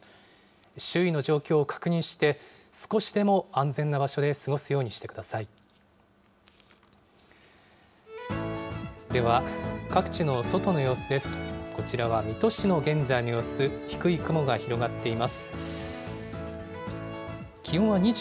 周囲の状況を確認して、少しでも安全な場所で過ごすようにしてください。